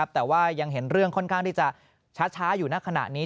แต่ว่ายังเห็นเรื่องค่อนข้างที่จะช้าอยู่ณขณะนี้